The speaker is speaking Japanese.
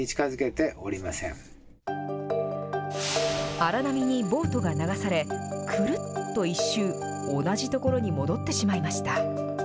荒波にボートが流され、くるっと１周、同じ所に戻ってしまいました。